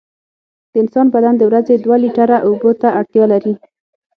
د انسان بدن د ورځې دوه لېټره اوبو ته اړتیا لري.